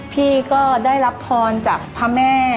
พี่ก็ได้รับพรจากพระแม่